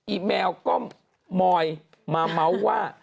อแมวก็มอยมาเมาส์ว่า